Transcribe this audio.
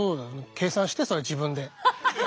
計算してそれ自分で。